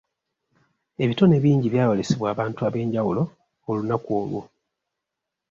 Ebitone bingi byayolesebwa abantu ab'enjawulo olunaku olwo.